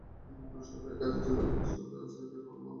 সরকারি কাজের দিন সকালে রাস্তায় বের হলে মনে হয়, ইজিবাইকের মিছিল চলছে।